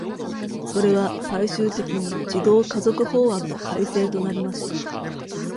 それは最終的に児童家族法案の改正となりました。